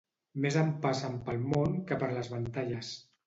Més en passen pel món que per les Ventalles.